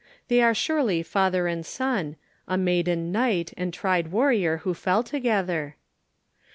They are surely father and son, a maiden knight and tried warrior who fell together?